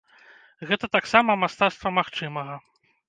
Гэта таксама мастацтва магчымага.